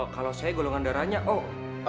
kalau saya golongan darahnya oh